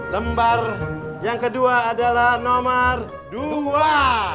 lembar yang kedua adalah nomor dua